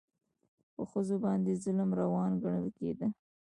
په ښځو باندې ظلم روان ګڼل کېده.